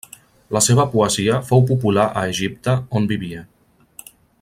La seva poesia fou popular a Egipte on vivia.